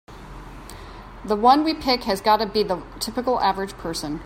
The one we pick has gotta be the typical average person.